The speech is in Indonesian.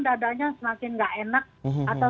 dadanya semakin nggak enak atau